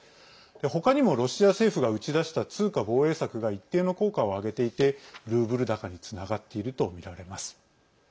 ほかにもロシア政府が打ち出した通貨防衛策が一定の効果を上げていてルーブル高につながっているとみられます。